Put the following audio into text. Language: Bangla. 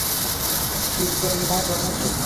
শীত পরিণত হয় বসন্তে।